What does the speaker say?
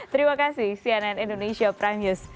terima kasih cnn indonesia prime news